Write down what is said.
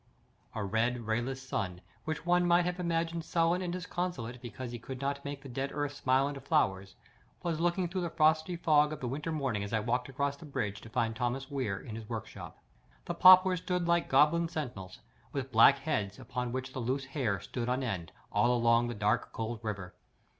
A red rayless sun, which one might have imagined sullen and disconsolate because he could not make the dead earth smile into flowers, was looking through the frosty fog of the winter morning as I walked across the bridge to find Thomas Weir in his workshop. The poplars stood like goblin sentinels, with black heads, upon which the long hair stood on end, all along the dark cold river.